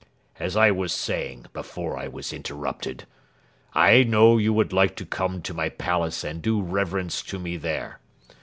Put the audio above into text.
As I was saying before I was interrupted, I know you would like to come to my Palace and do reverence to me there.